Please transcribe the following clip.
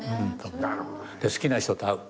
で好きな人と会う。